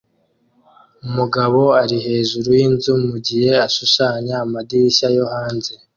Umugabo ari hejuru yinzu mugihe ashushanya amadirishya yo hanze